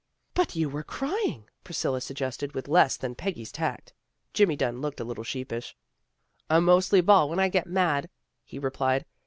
" But you were crying," Priscilla suggested with less than Peggy's tact. Jimmy Dunn looked a little sheepish. " I mostly bawl when I get mad," he replied.